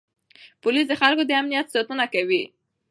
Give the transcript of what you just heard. پولیس د خلکو د امنیت ساتنه کوي.